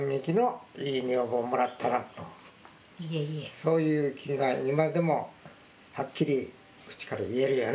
そういう気が、今でもはっきり口から言えるよね。